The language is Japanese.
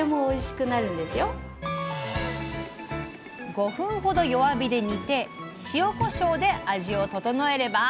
５分ほど弱火で煮て塩こしょうで味を調えれば。